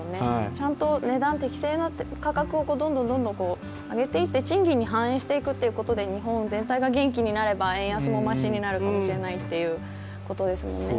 ちゃんと値段、適正な価格をどんどん上げていって、賃金に反映していくということで日本全体が元気になれば円安もましになるかもしれないということですもんね。